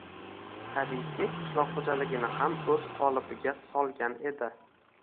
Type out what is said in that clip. tabiiyki, qishloq xo‘jaligini ham o‘z qolipiga solgan edi